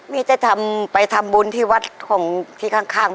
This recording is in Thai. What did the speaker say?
บีเจษมไปทำบุญที่วัดของที่ข้างบ้าน